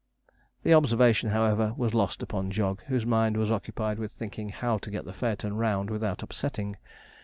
The observation, however, was lost upon Jog, whose mind was occupied with thinking how to get the phaeton round without upsetting.